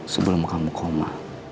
sebelum kamu koma